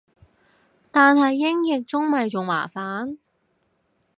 但係英譯中咪仲麻煩